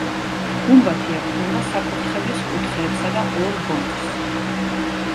გუმბათი ეყრდნობა საკურთხევლის კუთხეებსა და ორ ბოძს.